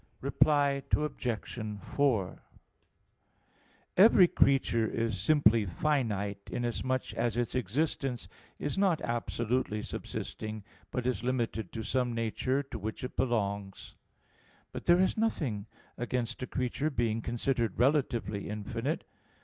Reply Obj. 4: Every creature is simply finite, inasmuch as its existence is not absolutely subsisting, but is limited to some nature to which it belongs. But there is nothing against a creature being considered relatively infinite.